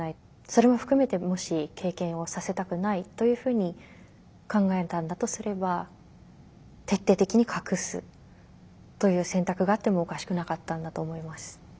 それも含めてもし経験をさせたくないというふうに考えたんだとすれば徹底的に隠すという選択があってもおかしくなかったんだと思います。